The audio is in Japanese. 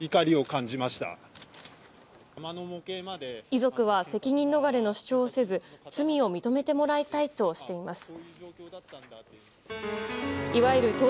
遺族は責任逃れの主張をせず罪を認めてもらいたいとしています。